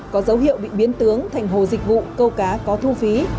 có dấu hiệu bị biến tướng thành hồ dịch vụ câu cá có thu phí